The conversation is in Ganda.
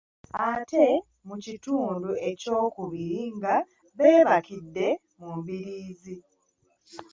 Ate mu kitundu ekyokubiri nga beebakidde mu mbiriizi.